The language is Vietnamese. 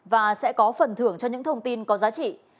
và sẽ có phần thưởng cho những thông tin có giá trị